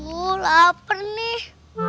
uh lapar nih